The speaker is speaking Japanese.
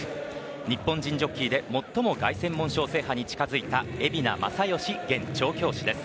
日本人ジョッキーで最も凱旋門賞制覇に近づいた蛯名正義現調教師です。